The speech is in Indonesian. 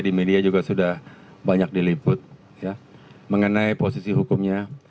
di media juga sudah banyak diliput mengenai posisi hukumnya